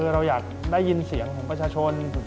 เราอยากได้ยินเสียงของประชาชน